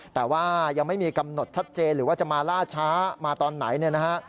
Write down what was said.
แต่ว่ายังไม่มีกำหนดชัดเจนหรือว่าจะมาล่าช้ามาตอนไหนเนี่ยนะฮะ